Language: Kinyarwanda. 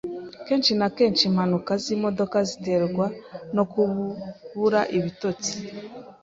Kenshi na kenshi, impanuka zimodoka ziterwa no kubura ibitotsi.